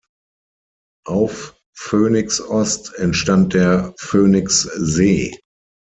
Auf Phoenix-Ost entstand der Phoenix-See.